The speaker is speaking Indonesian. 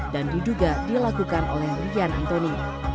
dan diduga dilakukan oleh rian antoni